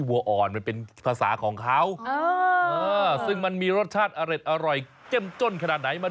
โอ้โหตอนนี้ดิฉันเพลี้ยคุณแล้วล่ะ